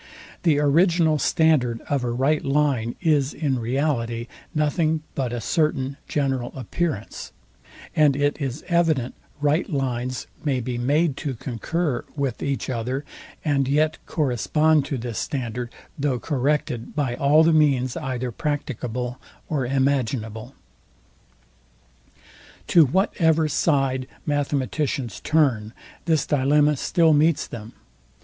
The original standard of a right line is in reality nothing but a certain general appearance; and it is evident right lines may be made to concur with each other, and yet correspond to this standard, though corrected by all the means either practicable or imaginable. To whatever side mathematicians turn, this dilemma still meets them.